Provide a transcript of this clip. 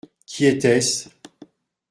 Qui était-ce ?